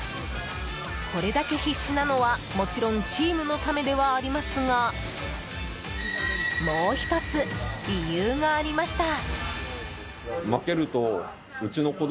これだけ必死なのは、もちろんチームのためではありますがもう１つ理由がありました。